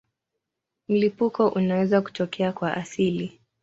Mlipuko unaweza kutokea kwa asili.